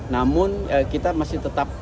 namun kita masih tetap